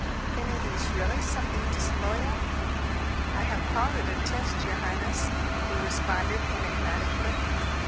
"Then it is really something disloyal?" "I have called it a test, your highness," he responded enigmatically.